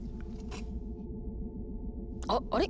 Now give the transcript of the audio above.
あっあれ？